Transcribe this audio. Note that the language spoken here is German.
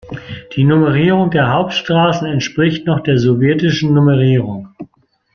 Die Nummerierung der Hauptstraßen entspricht noch der sowjetischen Nummerierung.